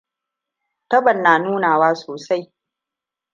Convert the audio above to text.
Tabon na nunawa sosai.